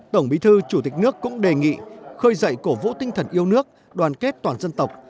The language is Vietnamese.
tổng bí thư chủ tịch nước cũng đề nghị khơi dậy cổ vũ tinh thần yêu nước đoàn kết toàn dân tộc